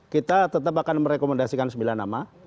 kita tetap akan merekomendasikan sembilan nama